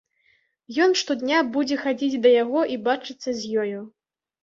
Ён штодня будзе хадзіць да яго і бачыцца з ёю.